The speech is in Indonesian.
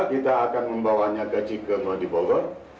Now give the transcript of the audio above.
kita akan membawanya ke cikengwadi bogor